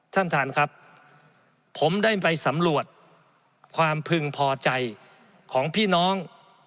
ท่านท่านครับผมได้ไปสำรวจความพึงพอใจของพี่น้อง